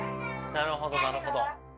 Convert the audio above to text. なるほどなるほど！